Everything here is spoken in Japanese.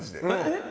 えっ！